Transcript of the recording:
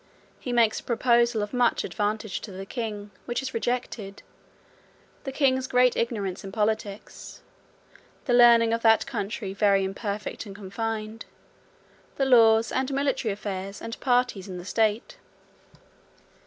He makes a proposal of much advantage to the king, which is rejected. The king's great ignorance in politics. The learning of that country very imperfect and confined. The laws, and military affairs, and parties in the state.